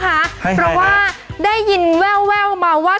เพราะว่าได้ยินแววมาว่า